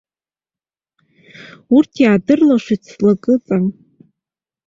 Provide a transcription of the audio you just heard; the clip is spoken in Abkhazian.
Урҭ иаадырлашоит слакыҵа.